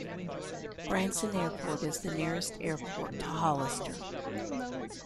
Branson Airport is the nearest airport to Hollister.